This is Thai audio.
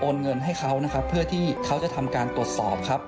เงินให้เขานะครับเพื่อที่เขาจะทำการตรวจสอบครับ